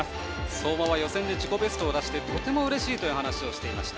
相馬は予選で自己ベストを出してとてもうれしいという話をしていました。